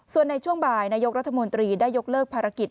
ส่วนในช่วงบ่ายนายกรัฐมนตรีได้ยกเลิกภารกิจ